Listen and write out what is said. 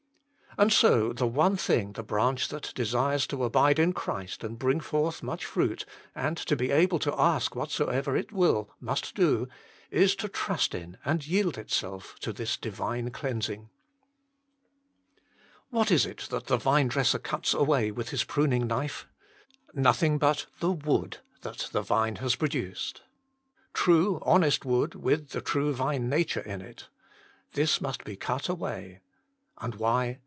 And so the one thing the branch that desires to abide in Christ and bring forth much fruit, and to be able to ask whatsoever it will, must do, is to trust in and yield itself to this Divine cleansing. What is it that the vinedresser cuts away with his pruning knife ? Nothing but the wood that the branch has produced true, honest wood, with the true vine nature in it. This must be cut away. And why